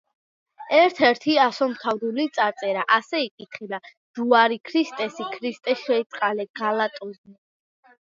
ერთ-ერთი ასომთავრული წარწერა: ასე იკითხება „ჯუარი ქრისტესი ქრისტე შეიწყალე გალატოზნი“.